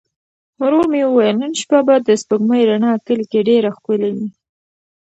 ورور مې وویل نن شپه به د سپوږمۍ رڼا کلي کې ډېره ښکلې وي.